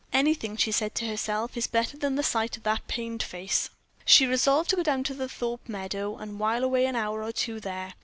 "Anything," she said to herself, "is better than the sight of that pained face." She resolved to go down to the Thorpe Meadow and while away an hour or two there.